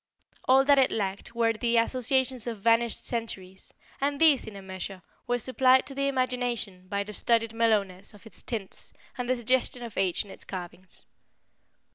All that it lacked were the associations of vanished centuries, and these, in a measure, were supplied to the imagination by the studied mellowness of its tints and the suggestion of age in its carvings.